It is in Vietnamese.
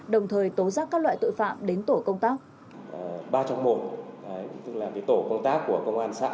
đồng thời tố giác các loại tội phạm đến tổ công tác